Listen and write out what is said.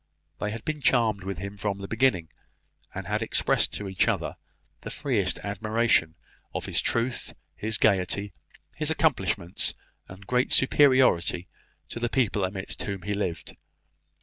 They had been charmed with him from the beginning, and had expressed to each other the freest admiration of his truth, his gaiety, his accomplishments, and great superiority to the people amidst whom he lived.